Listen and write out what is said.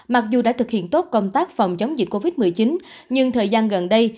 mặc dù đã thực hiện tốt công tác phòng chống dịch covid một mươi chín nhưng thời gian gần đây